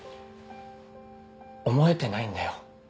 思えてないんだよ。